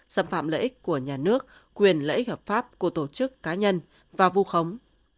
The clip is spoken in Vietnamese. xâm phạm lợi ích của nhà nước quyền lợi ích hợp pháp của tổ chức cá nhân và vu khống